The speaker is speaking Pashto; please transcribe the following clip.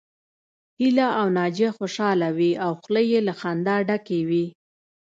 هيله او ناجيه خوشحاله وې او خولې يې له خندا ډکې وې